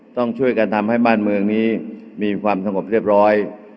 ต้องช่วยกันทำให้บ้านเมืองนี้มีความสงบเรียบร้อย